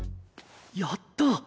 やった！